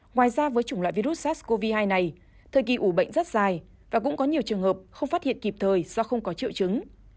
ngoài ra với chủng loại virus sars cov hai này thời kỳ ủ bệnh rất dài và cũng có nhiều trường hợp không phát hiện kịp thời do không có triệu chứng